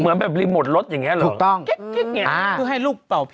เหมือนแบบรีโมทรถอย่างนี้หรอ